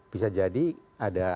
bisa jadi ada cruiser